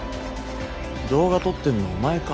動画撮ってんのはお前か？